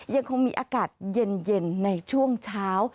ยังคงมีอากาศเย็นในช่วงเช้า